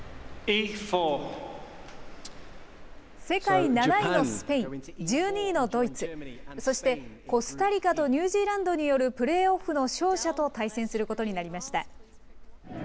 世界７位のスペイン、１２位のドイツ、そしてコスタリカとニュージーランドによるプレーオフの勝者と対戦することになりました。